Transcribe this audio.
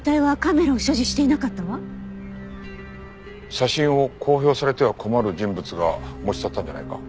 写真を公表されては困る人物が持ち去ったんじゃないか？